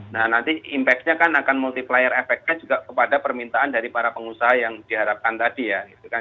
nah nanti impactnya kan akan multiplier efeknya juga kepada permintaan dari para pengusaha yang diharapkan tadi ya